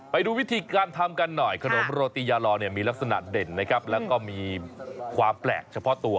ไปดูวิธีการทำกันหน่อยขนมโรตียาลอเนี่ยมีลักษณะเด่นนะครับแล้วก็มีความแปลกเฉพาะตัว